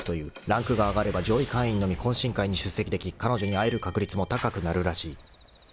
［ランクが上がれば上位会員のみ懇親会に出席でき彼女に会える確率も高くなるらしい］